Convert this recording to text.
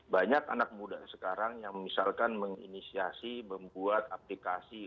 banyak anak muda sekarang yang misalkan menginisiasi membuat aplikasi